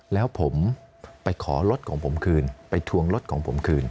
แล้วผมไปขอรถของผมคืนไปทวงรถของผมคืน